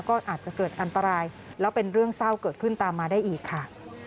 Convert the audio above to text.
ก็อาจจะเกิดอันตรายแล้วเป็นเรื่องเศร้าเกิดขึ้นตามมาได้อีกค่ะ